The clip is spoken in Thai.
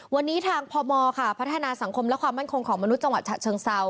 วันนี้ทางพมค่ะพัฒนาสังคมและความมั่นคงของมนุษย์จังหวัดฉะเชิงเซา